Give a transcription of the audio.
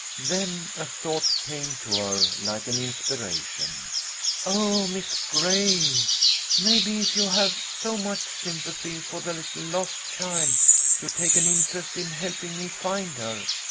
Then a thought came to her like an inspiration. " Oh, Miss Gray ! Maybe if you have so much sympathy for the little lost child, you'd take an interest in helping me find her.